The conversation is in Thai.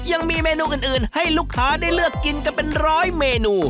ยังมีเมนูอื่นให้ลูกค้าได้เลือกกินกันเป็นร้อยเมนู